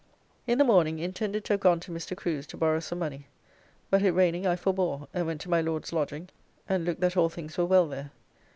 In the morning intended to have gone to Mr. Crew's to borrow some money, but it raining I forbore, and went to my Lord's lodging and look that all things were well there.